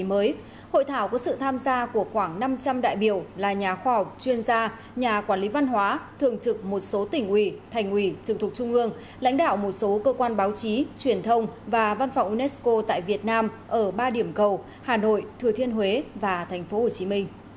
hội thảo có sự tham gia của khoảng năm trăm linh đại biểu là nhà khoa học chuyên gia nhà quản lý văn hóa thường trực một số tỉnh ủy thành ủy trực thuộc trung ương lãnh đạo một số cơ quan báo chí truyền thông và văn phòng unesco tại việt nam ở ba điểm cầu hà nội thừa thiên huế và tp hcm